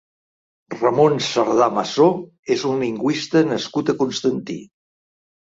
Ramon Cerdà Massó és un lingüista nascut a Constantí.